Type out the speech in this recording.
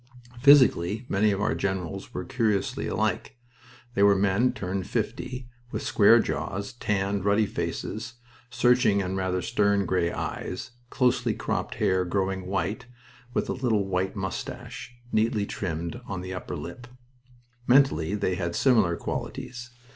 Physically, many of our generals were curiously alike. They were men turned fifty, with square jaws, tanned, ruddy faces, searching and rather stern gray eyes, closely cropped hair growing white, with a little white mustache, neatly trimmed, on the upper lip. Mentally they had similar qualities.